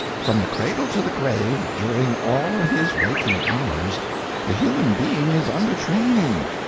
From the cradle to the grave, during all his waking hours, the human being is under training.